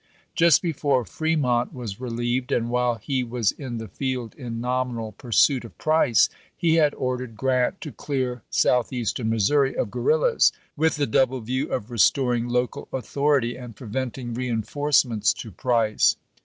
Just before Fremont was relieved, and while he was in the field in nominal pursuit of Price, he had ordered Grant to clear Southeastern Missouri of guerrillas, with the double view of restoring local authority and preventing reinforcements to Price.